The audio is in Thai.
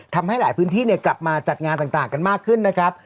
ทำให้หลายพื้นที่กลับมาจัดงานต่างกันมากขึ้นนะครับ